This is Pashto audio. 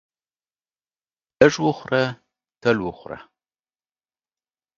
لږ وخوره تل وخوره.